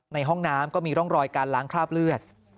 ในห้องน้ำก็มีร่องรอยการล้างคราบเลือด